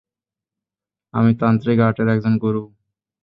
আমি তান্ত্রিক আর্টের একজন গুরু।